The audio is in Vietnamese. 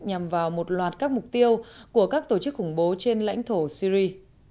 nhằm vào một loạt các mục tiêu của các tổ chức khủng bố trên lãnh thổ syri